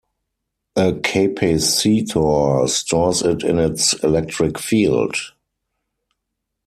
A capacitor stores it in its electric field.